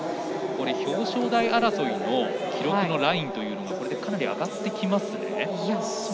表彰台争いの記録のラインがこれでかなり上がってきますね。